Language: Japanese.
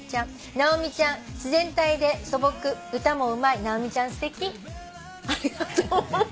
「直美ちゃん自然体で素朴歌もうまい直美ちゃんすてき」ありがとう。